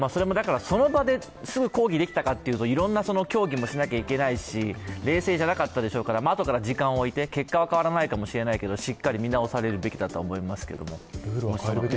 その場ですぐ抗議できたかというと、いろんな協議もしなきゃいけないし冷静じゃなかったでしょうから、あとから時間を置いて、結果は変わらないかもしれませんが、しっかり見直されるべきだとは思いますけどね。